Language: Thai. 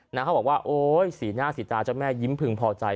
เขาบอกว่าโอ๊ยสีหน้าสีตาเจ้าแม่ยิ้มพึงพอใจ